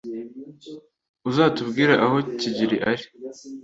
Uzatubwire aho kigeli ari?